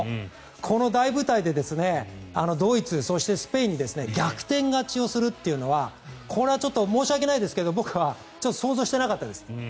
この大舞台でドイツそしてスペインに逆転勝ちをするというのはこれは申し訳ないですけど僕は想像してなかったです。